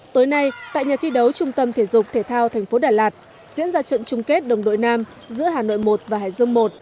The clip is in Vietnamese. tối nay tại nhà thi đấu trung tâm thể dục thể thao tp đà lạt diễn ra trận chung kết đồng đội nam giữa hà nội một và hải dương i